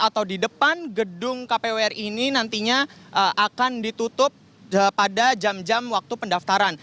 atau di depan gedung kpu ri ini nantinya akan ditutup pada jam jam waktu pendaftaran